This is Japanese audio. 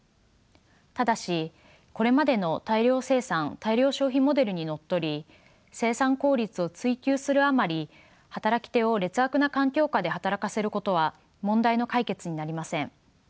ただしこれまでの大量生産・大量消費モデルにのっとり生産効率を追求するあまり働き手を劣悪な環境下で働かせることは問題の解決になりません。